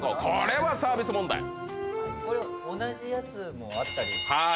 これはサービス問題。